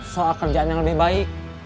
soal kerjaan yang lebih baik